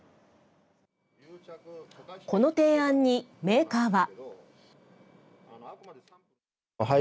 この提案にメーカーは。